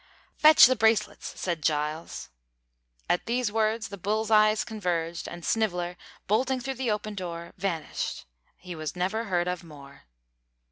"Fetch the bracelets," said Giles. At these words the bull's eyes converged, and Sniveller, bolting through the open door, vanished he was never heard of more!